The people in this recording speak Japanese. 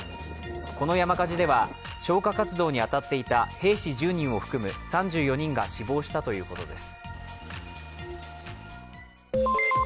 この山火事では消火活動に当たっていた兵士１０人を含む３４人が死亡したということです。